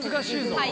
はい。